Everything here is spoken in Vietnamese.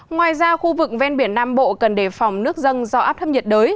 ngoài ra khu vực ven biển nam bộ cần đề phòng nước dân do áp thấp nhiệt đới